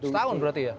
setahun berarti ya